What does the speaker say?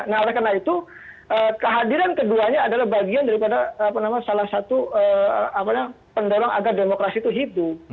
nah oleh karena itu kehadiran keduanya adalah bagian daripada salah satu pendorong agar demokrasi itu hidup